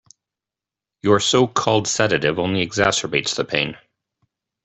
Your so-called sedative only exacerbates the pain.